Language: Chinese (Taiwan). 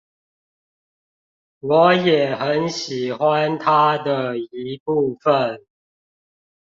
我也很喜歡他的一部分